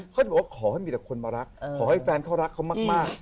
เขาบอกว่าขอให้มีแต่คนมารักขอให้แฟนเขารักเขามาก